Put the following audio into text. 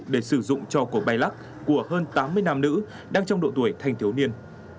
để sử dụng cho cổ bay lắc của hơn tám mươi nam nữ đang trong độ tuổi thanh thiếu niên